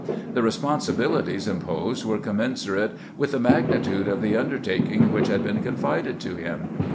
The responsibilities imposed were commensurate with the magnitude of the under taking which had been confided to him.